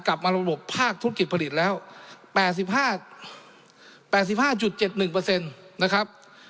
กลับมาระบบภาคธุรกิจผลิตแล้วแปดสิบห้าแปดสิบห้าจุดเจ็ดหนึ่งเปอร์เซ็นต์นะครับ